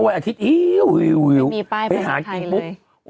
วันอาทิตย์อียูไปหากินปุ๊บไม่มีป้ายเป็นที่ไทยเลย